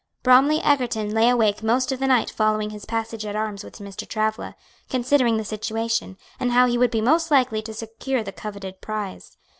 Bromly Egerton lay awake most of the night following his passage at arms with Mr. Travilla, considering the situation, and how he would be most likely to secure the coveted prize.